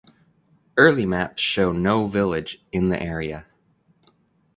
Early maps show no village in the area.